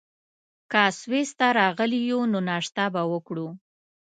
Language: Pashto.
که سویس ته راغلي یو، نو ناشته به وکړو.